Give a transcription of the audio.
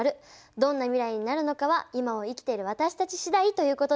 どんな未来になるのかは今を生きてる私たち次第ということです。